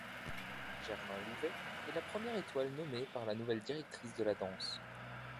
Germain Louvet est la première étoile nommée par la nouvelle directrice de la danse.